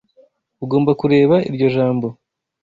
Ugomba kureba iryo jambo.